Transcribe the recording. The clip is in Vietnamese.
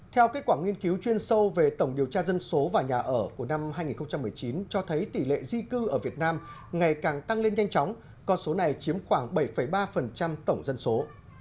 theo kết quả nghiên cứu chuyên sâu về tổng điều tra dân số và nhà ở của năm hai nghìn một mươi chín cho thấy tỷ lệ di cư ở việt nam ngày càng tăng lên nhanh chóng con số này chiếm khoảng bảy ba tổng dân số